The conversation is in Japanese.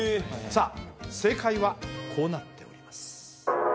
さあ正解はこうなっております